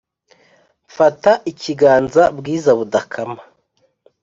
Mfata ikiganza bwiza budakama